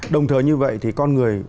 đồng thời như vậy thì con người